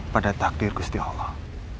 pada takdir gusti allah